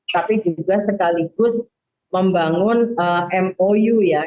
tapi juga sekaligus membangun mou ya